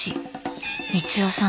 光代さん